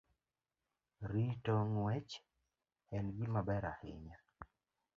Rito ng'wech en gima ber ahinya